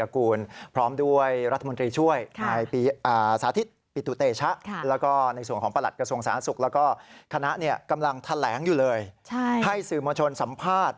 คณะก็กำลังแถลงให้สื่อโมชนสัมภาษณ์